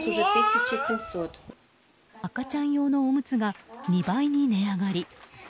赤ちゃん用のおむつが２倍に値上がり。